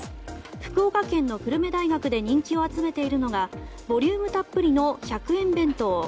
福岡県の久留米大学で人気を集めているのがボリュームたっぷりの１００円弁当。